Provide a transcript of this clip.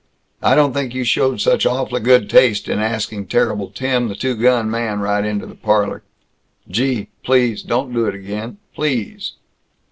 I don't think you showed such awfully good taste in asking Terrible Tim, the two gun man, right into the parlor. Gee, please don't do it again! Please!"